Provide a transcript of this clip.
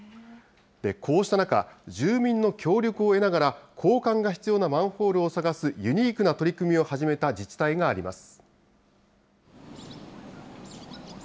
こうした中、住民の協力を得ながら、交換が必要なマンホールを探すユニークな取り組みを始めた自治体があります。